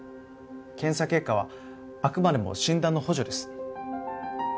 検査結果はあくまでも診断の補助です。